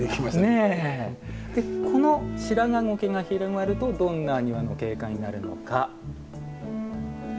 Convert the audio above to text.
このシラガゴケが広がるとどんな庭の景観になるのか。